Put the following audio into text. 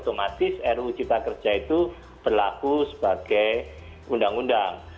dan kemudian dilakukan pengundangan ya otomatis ru cipta kerja itu berlaku sebagai undang undang